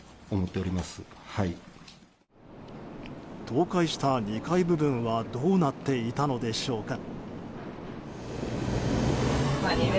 倒壊した２階部分はどうなっていたのでしょうか。